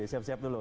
ini ada yang air